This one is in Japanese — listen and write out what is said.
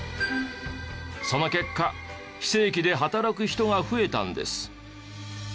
その結果非正規で働く人が増えたんです。